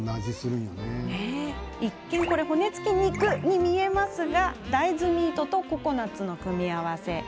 一見、骨付き肉に見えますが大豆ミートとココナツの組み合わせ。